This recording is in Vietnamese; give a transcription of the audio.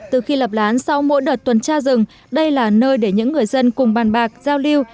từ khi lập lán sau mỗi đợt tuần tra rừng đây là nơi để những người dân cùng bàn bạc giao lưu